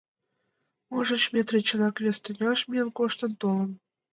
Можыч, Метрий чынак вес тӱняш миен коштын толын?